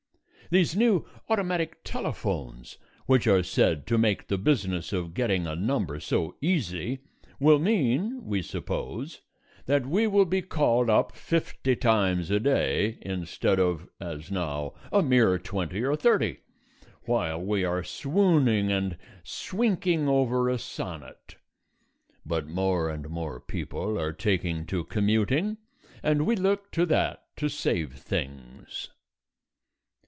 These new automatic telephones, which are said to make the business of getting a number so easy, will mean (we suppose) that we will be called up fifty times a day instead of (as now) a mere twenty or thirty, while we are swooning and swinking over a sonnet. But more and more people are taking to commuting and we look to that to save things.